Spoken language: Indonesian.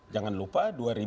jangan lupa dua ribu empat